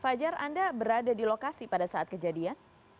fajar anda berada di lokasi pada saat kejadian